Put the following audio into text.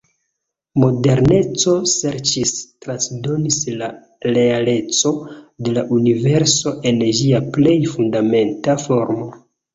Moderneco serĉis transdonis la "realeco" de la universo en ĝia plej fundamenta formo.